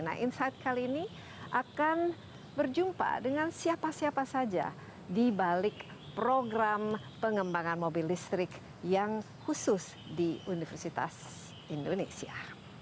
nah insight kali ini akan berjumpa dengan siapa siapa saja dibalik program pengembangan mobil listrik yang khusus di universitas indonesia